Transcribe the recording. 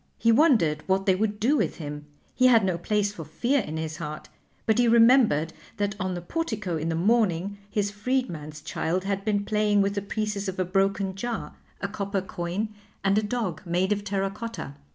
He wondered what they would do with him; he had no place for fear in his heart, but he remembered that on the portico in the morning his freedman's child had been playing with the pieces of a broken jar, a copper coin, and a dog made of terra cotta.